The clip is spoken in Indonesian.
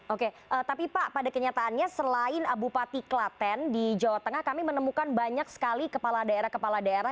oke tapi pak pada kenyataannya selain bupati klaten di jawa tengah kami menemukan banyak sekali kepala daerah kepala daerah